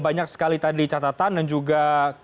banyak sekali tadi catatan dan juga